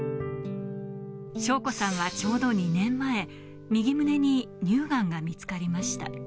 省子さんは、ちょうど２年前、右胸に乳がんが見つかりました。